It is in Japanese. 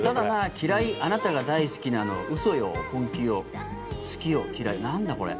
嫌い、あなたが大好きなの嘘よ、本気よ好きよ、嫌いなんだこれ。